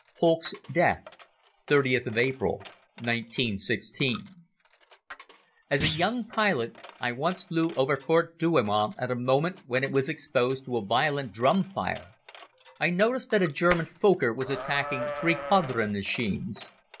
Holck's Death. (30th of April, 1916) AS a young pilot I once flew over Fort Douaumont at a moment when it was exposed to a violent drum fire. I noticed that a German Fokker was attacking three Caudron machines.